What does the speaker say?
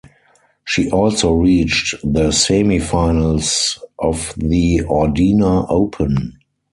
She also reached the semifinals of the Ordina Open.